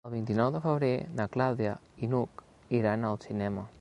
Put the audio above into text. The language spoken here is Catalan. El vint-i-nou de febrer na Clàudia i n'Hug iran al cinema.